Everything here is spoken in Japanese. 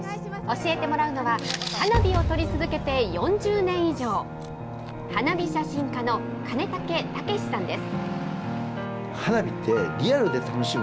教えてもらうのは、花火を撮り続けて４０年以上、花火写真家の金武武さんです。